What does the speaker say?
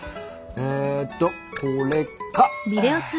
えとこれか！